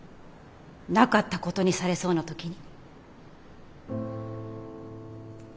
なかったことにされそうな時に。